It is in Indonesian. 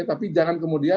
tapi jangan kemudian